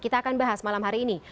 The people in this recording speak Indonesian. kita akan bahas malam hari ini